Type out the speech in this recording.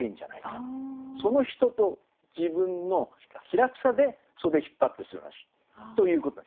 その人と自分の気楽さで「袖引つ張つてする話」ということ。